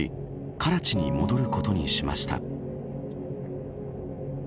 カラチに戻ることにしました。